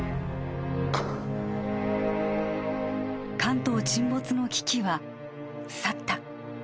関東沈没の危機は去った